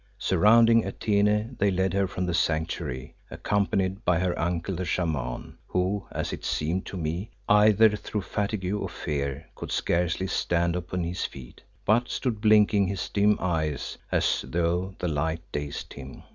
Surrounding Atene, they led her from the Sanctuary, accompanied by her uncle the Shaman, who, as it seemed to me, either through fatigue or fear, could scarcely stand upon his feet, but stood blinking his dim eyes as though the light dazed him.